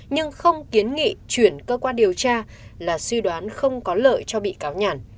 nhưng không kiến nghị chuyển cơ quan điều tra là suy đoán không có lợi cho bị cáo nhàn